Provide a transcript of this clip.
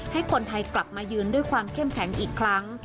ให้คนไทยกลับมายืนด้วยความเข้มแข็งอีกครั้ง